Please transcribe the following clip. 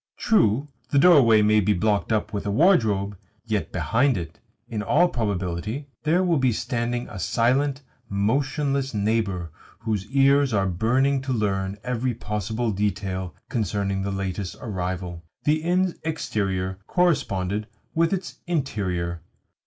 True, the doorway may be blocked up with a wardrobe; yet behind it, in all probability, there will be standing a silent, motionless neighbour whose ears are burning to learn every possible detail concerning the latest arrival. The inn's exterior corresponded with its interior.